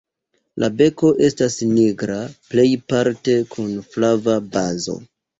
La beko estas nigra plejparte kun flava bazo.